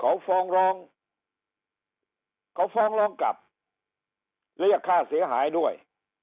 เขาฟ้องร้องกลับเรียกค่าเสียหายด้วย